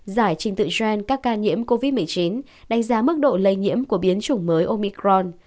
giải trình tự gen các ca nhiễm covid một mươi chín đánh giá mức độ lây nhiễm của biến chủng mới omicron